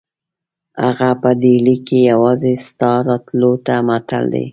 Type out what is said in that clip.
هغه په ډهلي کې یوازې ستا راتلو ته معطل دی.